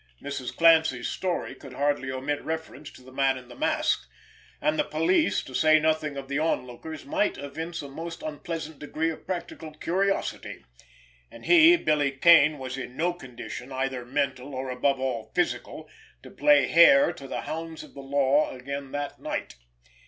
Mrs. Clancy's story could hardly omit reference to the man in the mask, and the police, to say nothing of the on lookers, might evince a most unpleasant degree of practical curiosity—and he, Billy Kane, was in no condition, either mental, or, above all, physical, to play hare to the hounds of the law again that night.